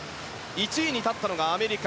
１位に立っているのがアメリカ。